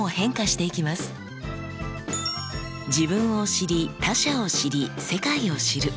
自分を知り他者を知り世界を知る。